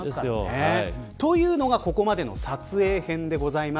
というのがここまでの撮影編です。